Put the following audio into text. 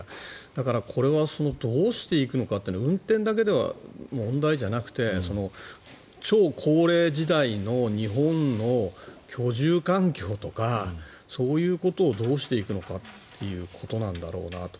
だからこれはどうしていくのかというのは運転だけでは問題じゃなくて超高齢時代の日本の居住環境とかそういうことをどうしていくのかということなんだろうなと。